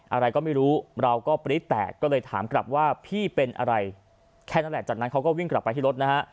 อะไรก็ไม่รู้เราก็ปรี๊ดแตกก็เลยถามกลับว่าพี่เป็นอะไรแค่นั้นแหละจากนั้นเขาก็วิ่งกลับไปที่รถนะฮะ